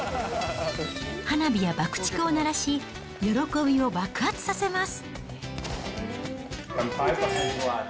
花火や爆竹を鳴らし、喜びを爆発させます。